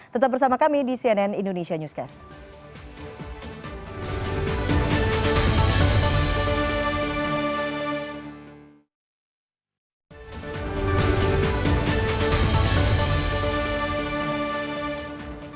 tetap bersama kami di cnn indonesia newscast